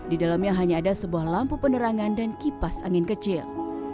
di dalamnya hanya ada sebuah lampu penerangan dan kipas angin kecil